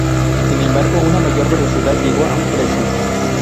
Sin embargo, una mayor velocidad llegó a un precio.